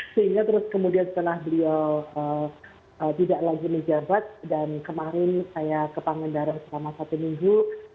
sehingga terus kemudian setelah beliau tidak lagi menjabat dan kemarin saya ke pangandaran selama satu minggu